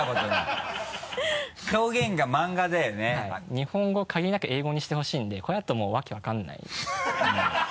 日本語を限りなく英語にしてほしいんでこれだともう訳分からない。